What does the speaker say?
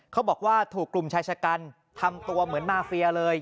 เขาบอกว่าถูกกลุ่มชายชะกันทำตัวเหมือนมาเฟียเลย